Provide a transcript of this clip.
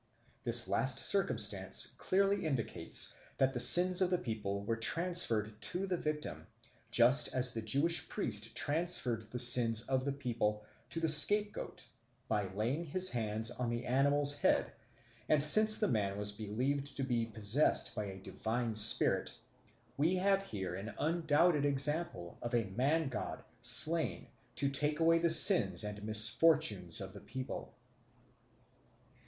This last circumstance clearly indicates that the sins of the people were transferred to the victim, just as the Jewish priest transferred the sins of the people to the scapegoat by laying his hands on the animal's head; and since the man was believed to be possessed by the divine spirit, we have here an undoubted example of a man god slain to take away the sins and misfortunes of the people.